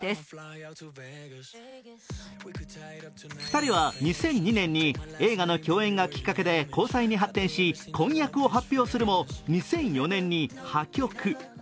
２人は２００２年に映画の共演がきっかけで婚約を発表するも、２００４年に破局。